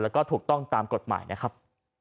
แล้วก็ถูกต้องตามกฎหมายนะครับ